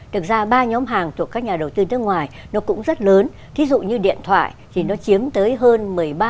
thực ra ba nhóm hàng thuộc các nhà đầu tư nước ngoài nó cũng rất lớn ví dụ như điện thoại thì nó chiếm tới hơn một mươi ba